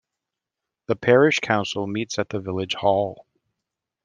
The parish council meets at the Village Hall.